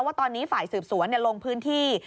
ว่าตอนนี้ฝ่ายสืบสวนลงพื้นที่